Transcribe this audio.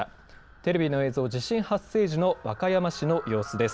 テレビの映像、地震発生時の和歌山市の様子です。